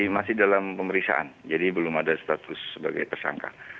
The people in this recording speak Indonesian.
masih dalam pemeriksaan jadi belum ada status sebagai tersangka